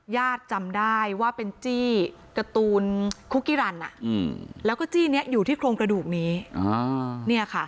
จำได้ว่าเป็นจี้การ์ตูนคุกกี้รันแล้วก็จี้นี้อยู่ที่โครงกระดูกนี้